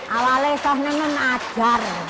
awalnya saya memang mengajar